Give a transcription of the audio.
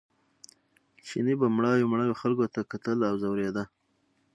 چیني به مړاوي مړاوي خلکو ته کتل او ځورېده.